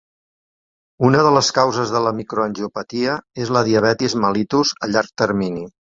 Una de les causes de la microangiopatia és la diabetis mellitus a llarg termini.